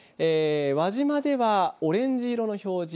輪島では、オレンジ色の表示。